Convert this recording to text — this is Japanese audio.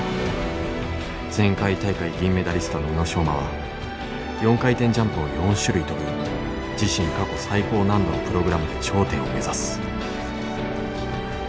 前回大会銀メダリストの宇野昌磨は４回転ジャンプを４種類跳ぶ自身過去最高難度のプログラムで頂点を目指す。